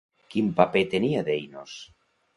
Quin paper tenia Deinos?